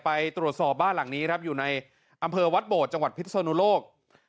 ไปตรวจสอบบ้านหลังนี้ครับอยู่ในอำเภอวัดโบดจังหวัดพิศนุโลก